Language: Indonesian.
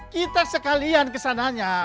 kita sekalian kesananya